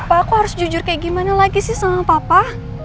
pak aku harus jujur kayak gimana lagi sih sama papa